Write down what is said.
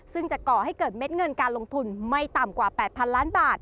ซึ่งจะก่อให้เกิดเม็ดเงินการลงทุนไม่ต่ำกว่า๘๐๐๐ล้านบาท